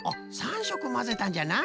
３しょくまぜたんじゃな。